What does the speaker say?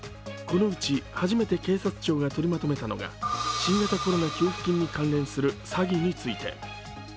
このうち、初めて警察庁が取りまとめたのが新型コロナ給付金に関連する詐欺について。